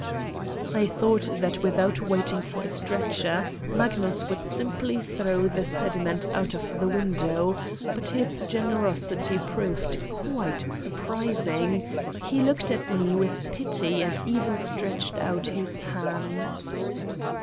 I thought that without waiting for a stretcher, Magnus would simply throw the sediment out of the window, but his generosity proved quite sur 115 Satan's Diary prising: lie looked at Me with, pity and even stretched out his hand.